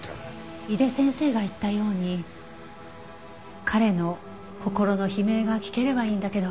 井手先生が言ったように彼の心の悲鳴が聞ければいいんだけど。